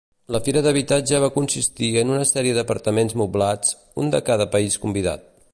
La fira d'habitatge va consistir en una sèrie d'apartaments moblats, un de cada país convidat.